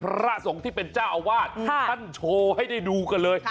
พระสงฆ์ที่เป็นเจ้าอาวาสท่านโชว์ให้ได้ดูกันเลย